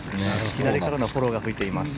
左からのフォローが吹いています。